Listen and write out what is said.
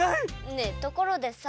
ねえところでさ